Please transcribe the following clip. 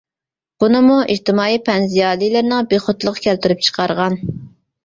بۇنىمۇ ئىجتىمائىي پەن زىيالىيلىرىنىڭ بىخۇدلۇقى كەلتۈرۈپ چىقارغان.